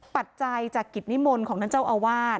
ปัจจัยจากกิจนิมนต์ของท่านเจ้าอาวาส